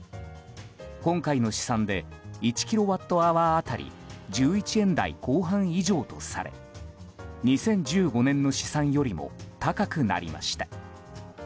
今回の試算で１キロワットアワー当たり１１円台後半以上とされ２０１５年の試算よりも高くなりました。